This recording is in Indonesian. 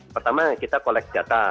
pertama kita collect data